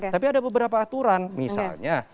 tapi ada beberapa aturan misalnya